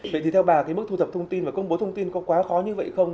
vậy thì theo bà cái mức thu thập thông tin và công bố thông tin có quá khó như vậy không